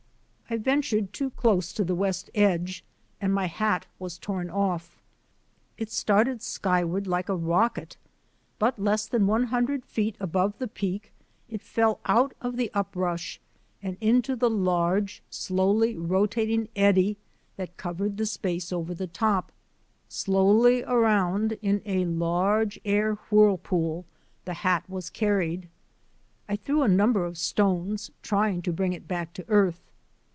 I ventured too close to the west edge, and my hat was torn off. It started skyward like a rocket, but less than one hundred feet above the Peak it fell out of the uprush and into the large, slowly rotating eddy that covered the space over the top. Slowly around in a large air whirlpool the hat was carried. I threw a number of stones, trying to bring it back to earth.